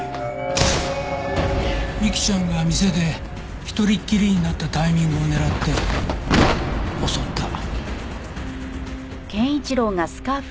美希ちゃんが店で一人っきりになったタイミングを狙って襲った。